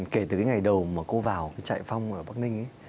kể từ cái ngày đầu mà cô vào cái chạy phong ở bắc ninh ấy